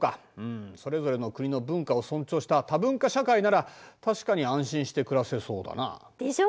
んそれぞれの国の文化を尊重した多文化社会なら確かに安心して暮らせそうだな。でしょう！